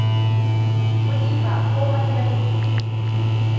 Kuɗi ba komai bane.